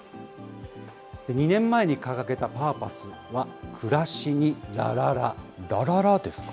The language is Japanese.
２年前に掲げたパーパスは、くらしに、らららですか？